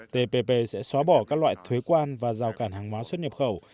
tpp sẽ xóa bỏ các loại thuế quan và rào cản hàng hóa xuất nhập khẩu